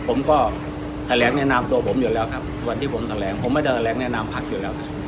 ผมก็แถลงแนะนำตัวผมอยู่แล้วครับวันที่ผมแถลงผมไม่ได้แถลงแนะนำพักอยู่แล้วครับ